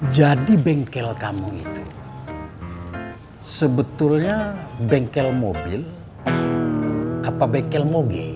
jadi bengkel kamu itu sebetulnya bengkel mobil apa bengkel moge